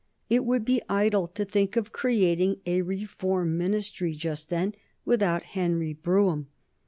It would be idle to think of creating a Reform Ministry just then without Henry Brougham.